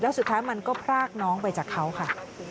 แล้วสุดท้ายมันก็พรากน้องไปจากเขาค่ะ